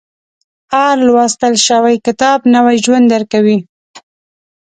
• هر لوستل شوی کتاب، نوی ژوند درکوي.